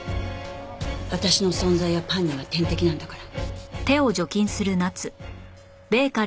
私の存在はパンには天敵なんだから。